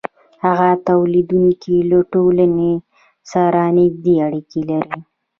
هغه تولیدونکی له ټولنې سره نږدې اړیکې لري